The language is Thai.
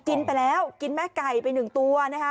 กินไปแล้วกินแม่ไก่ไปหนึ่งตัวนะคะ